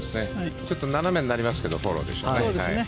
ちょっと斜めになりますけどフォローでしょうね。